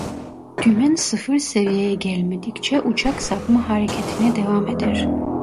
Dümen sıfır seviyeye gelmedikçe uçak sapma hareketine devam eder.